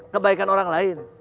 kebaikan orang lain